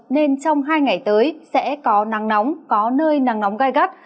nên trong hai ngày tới sẽ có nắng nóng có nơi nắng nóng gai gắt